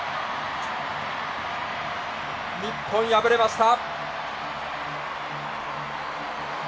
日本、敗れました。